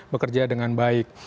bekerja dengan baik